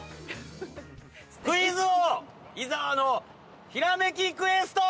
◆「クイズ王・伊沢のひらめきクエスト」！